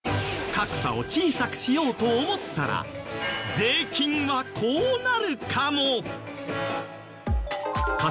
格差を小さくしようと思ったら税金はこうなるかも！？